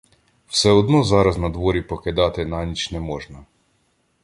Все одно зараз надворі покидати на ніч не можна.